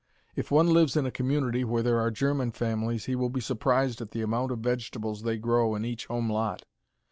If one lives in a community where there are German families he will be surprised at the amount of vegetables they grow in each home lot.